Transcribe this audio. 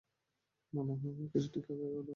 মনে হয় আমার কিছু টিকা নেওয়া উচিত?